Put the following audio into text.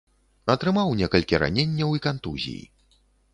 Атрымаў некалькі раненняў і кантузій.